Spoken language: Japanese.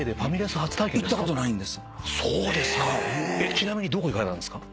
ちなみにどこ行かれたんですか？